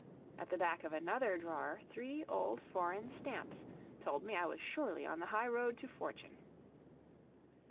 At the back of another drawer, three old foreign stamps told me I was surely on the highroad to fortune.